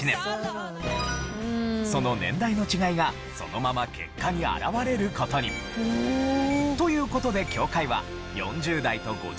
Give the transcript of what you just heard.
その年代の違いがそのまま結果に表れる事に。という事で境界は４０代と５０代の間でした。